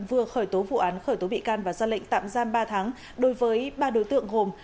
vừa khởi tố vụ án khởi tố bị can và ra lệnh tạm giam ba tháng đối với ba đối tượng gồm